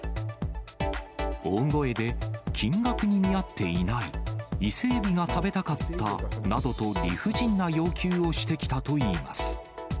大声で金額に見合っていない、伊勢エビが食べたかったなどと理不尽な要求をしてきたといいます。